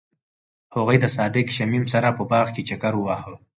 هغوی د صادق شمیم سره په باغ کې چکر وواهه.